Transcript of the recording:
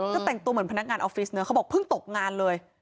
ก็แต่งตัวเหมือนพนักงานออฟฟิศเนอะเขาบอกเพิ่งตกงานเลย